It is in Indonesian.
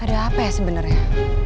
ada apa ya sebenarnya